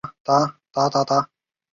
致仕去世。